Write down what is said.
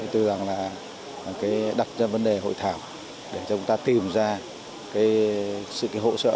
tôi rằng là đặt ra vấn đề hội thảo để cho chúng ta tìm ra sự hỗ trợ